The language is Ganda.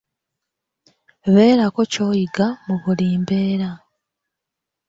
Beerako ky'oyiga mu buli mbeera.